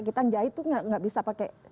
kita jahit tuh nggak bisa pakai